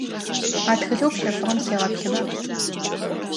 А тхылъэу пщэфыгъэм сегъэплъыба.